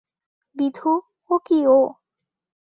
বিধু, ও কী ও!